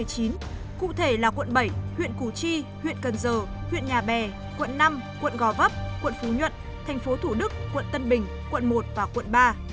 cụ thể là quận bảy huyện củ chi huyện cần giờ huyện nhà bè quận năm quận gò vấp quận phú nhuận thành phố thủ đức quận tân bình quận một và quận ba